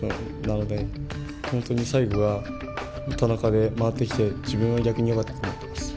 なので本当に最後は田中で回ってきて自分は逆によかったって思ってます。